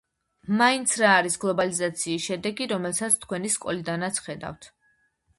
მაინც რა არის გლობალიზაციის შედეგი რომელსაც თქვენი სკოლიდანაც ხედავთ